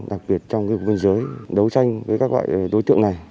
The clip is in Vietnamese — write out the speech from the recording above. đặc biệt trong biên giới đấu tranh với các loại đối tượng này